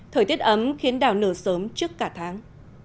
thời tiết ấm khiến đào nở sớm trước cả tháng